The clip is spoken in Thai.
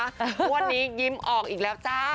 วันนี้ยิ้มออกอีกแล้วจ้า